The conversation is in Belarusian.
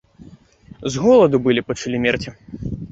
З голаду былі пачалі мерці.